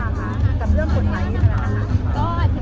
แม็กซ์ก็คือหนักที่สุดในชีวิตเลยจริง